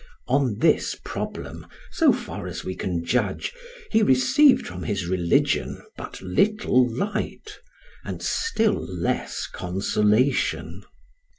On this problem, so far as we can judge, he received from his religion but little light, and still less consolation.